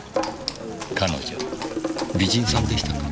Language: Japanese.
彼女美人さんでしたか？